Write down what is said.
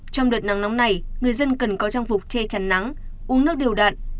trong đợt nắng nóng này người dân cần có trang phục che chắn nắng uống nước điều đạn